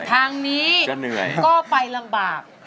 ทางนี้ก็ไปลำบาก